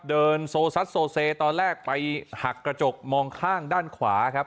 เดินโซซัดโซเซตอนแรกไปหักกระจกมองข้างด้านขวาครับ